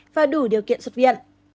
và đủ điều kiện xuất viện